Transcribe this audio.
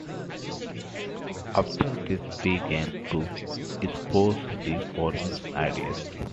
After this he began to espouse "reformist" ideas.